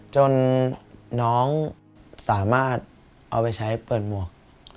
จนน้องสามารถเอาไปใช้เปิดหมวก